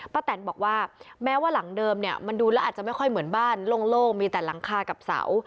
แตนบอกว่าแม้ว่าหลังเดิมเนี่ยมันดูแล้วอาจจะไม่ค่อยเหมือนบ้านโล่งมีแต่หลังคากับเสา